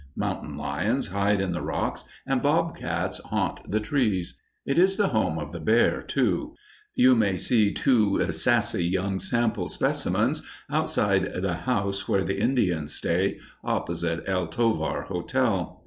Mountain lions hide in the rocks, and bobcats haunt the trees. It is the home of the bear, too; you may see two "sassy" young sample specimens outside the house where the Indians stay, opposite El Tovar Hotel.